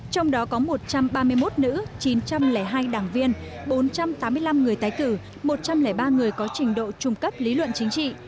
trong đó có một trăm ba mươi một nữ chín trăm linh hai đảng viên bốn trăm tám mươi năm người tái cử một trăm linh ba người có trình độ trung cấp lý luận chính trị